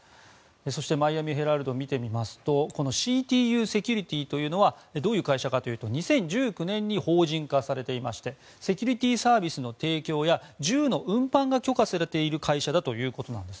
そして、マイアミヘラルドを見てみますとＣＴＵセキュリティーというのはどういう会社かというと２０１９年に法人化されていましてセキュリティーサービスの提供や銃の運搬が許可されている会社だということです。